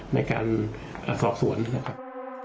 ในการสอบสวนนะครับ